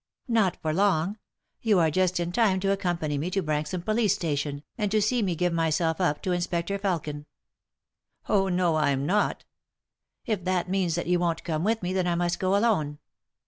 " Not for long. Yon are just in time to accompany me to Branxham police station, and to see me give myself up to Inspector Felkin." "Oh, no, I'm not" "If that means that you won't come with me, then I must go alone."